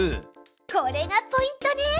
これがポイントね。